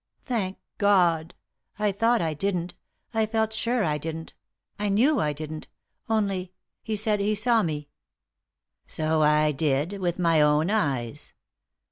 " Thank God 1 I thought I didn't ; I felt sure I didn't; I knew I didn't; only — he said he saw me." "So I did, with my own eyes."